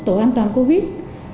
tổ an toàn covid